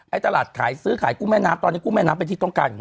ตลาดขายซื้อขายกุ้งแม่น้ำตอนนี้กุ้งแม่น้ำเป็นที่ต้องการ